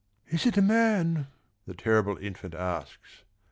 Is it a man? " the terrible infant asks.